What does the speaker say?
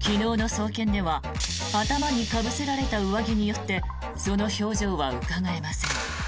昨日の送検では頭にかぶせられた上着によってその表情はうかがえません。